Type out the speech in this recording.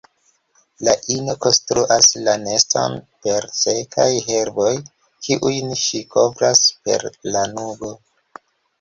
La ino konstruas la neston per sekaj herboj kiujn ŝi kovras per lanugo.